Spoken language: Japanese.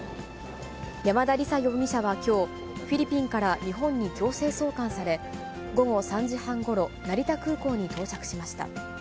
山田李沙容疑者はきょう、フィリピンから日本に強制送還され、午後３時半ごろ、成田空港に到着しました。